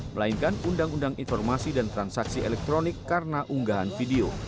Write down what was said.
melainkan undang undang informasi dan transaksi elektronik karena unggahan video